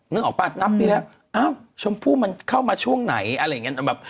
นึกออกป่ะนับปีแล้วอ้าวชมพู่มันเข้ามาช่วงไหนอะไรอย่างเงี้